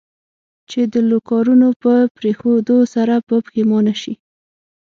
چې د لوکارنو په پرېښودو سره به پښېمانه شې.